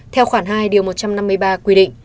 theo khoảng hai một trăm năm mươi ba quy định